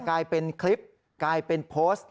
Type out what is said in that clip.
กลายเป็นคลิปกลายเป็นโพสต์